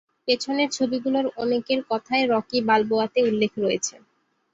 পেছনের ছবিগুলোর অনেকের কথাই "রকি বালবোয়া"তে উল্লেখ রয়েছে।